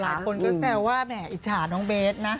หลายคนก็แซวว่าแหมอิจฉาน้องเบสนะ